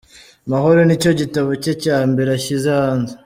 Mahoro ni cyo gitabo cye cya mbere ashyize hanze.